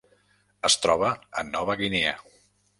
Es troba a Nova Guinea.